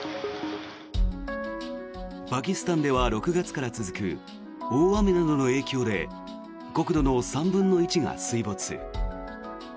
パキスタンでは６月から続く大雨などの影響で国土の３分の１が水没。